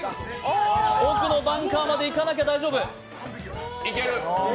奥のバンカーまでいかなきゃ大丈夫。